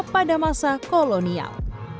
pada masa kolonial